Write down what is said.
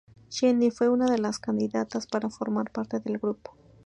Jennie fue una de las candidatas para formar parte del grupo.